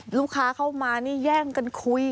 ลูกค้าเข้ามานี่แย่งกันคุย